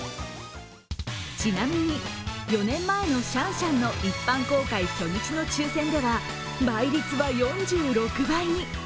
ちなみに４年前のシャンシャンの一般公開初日の抽選では倍率は４６倍に。